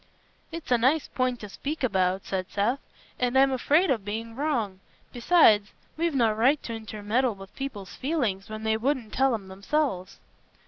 "It's a nice point to speak about," said Seth, "and I'm afraid o' being wrong; besides, we've no right t' intermeddle with people's feelings when they wouldn't tell 'em themselves."